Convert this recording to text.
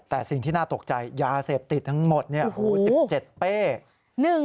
แต่สิ่งที่น่าตกใจยาเสพติดทั้งหมด๑๗เป้